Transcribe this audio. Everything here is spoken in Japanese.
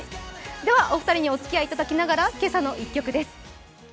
お二人におつきあいいただきながら「けさの１曲」です。